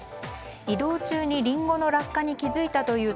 移動中にリンゴの落下に気付いたという